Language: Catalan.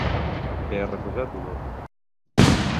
Què ha recusat Budó?